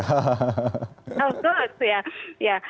oh bagus ya